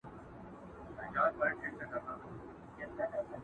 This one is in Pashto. خوري چي روزي خپله ،